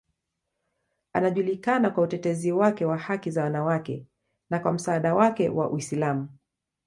Anajulikana kwa utetezi wake wa haki za wanawake na kwa msaada wake wa Uislamu.